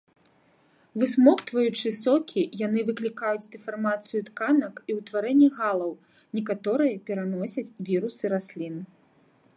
Высмоктваючы сокі, яны выклікаюць дэфармацыю тканак і ўтварэнне галаў, некаторыя пераносяць вірусы раслін.